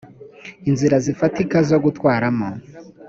inzira zifatika zo gutwaramo